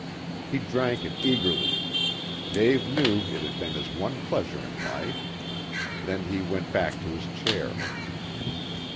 He drank it eagerly. Dave knew it had been his one pleasure in life. Then he went back to his chair.